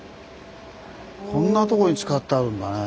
こんなとこに使ってあるんだね。